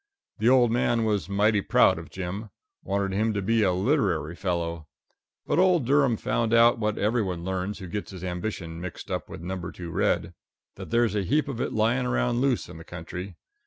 The old man was mighty proud of Jim. Wanted him to be a literary fellow. But old Durham found out what every one learns who gets his ambitions mixed up with number two red that there's a heap of it lying around loose in the country.